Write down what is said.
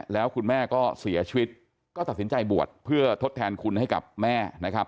แล้วคุณแม่ก็เสียชีวิตก็ตัดสินใจบวชเพื่อทดแทนคุณให้กับแม่นะครับ